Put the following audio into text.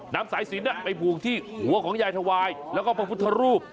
น้ำสายสินไปบุงที่หัวของยายถวายแล้วก็พฤศรูป